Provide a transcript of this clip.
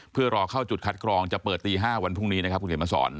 เพื่อรอเข้าจุดคัดกรองจะเปิดตี๕วันพรุ่งนี้นะครับคุณเขียนมาสอน